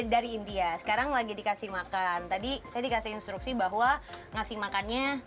dari india sekarang lagi dikasih makan tadi saya dikasih instruksi bahwa ngasih makannya